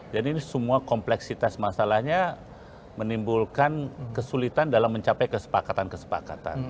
jadi ini semua kompleksitas masalahnya menimbulkan kesulitan dalam mencapai kesepakatan kesepakatan